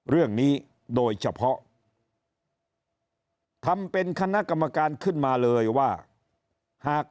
เรื่องนี้โดยเฉพาะทำเป็นคณะกรรมการขึ้นมาเลยว่าหาก